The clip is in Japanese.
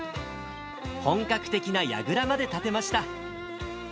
本格的なやぐらまで建てました。